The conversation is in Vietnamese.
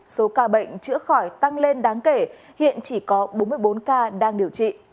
số ca bệnh chữa khỏi tăng lên đáng kể hiện chỉ có bốn mươi bốn ca đang điều trị